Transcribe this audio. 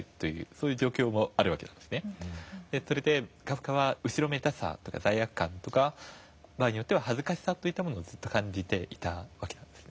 それでカフカは後ろめたさとか罪悪感とか場合によっては恥ずかしさをずっと感じていたわけなんです。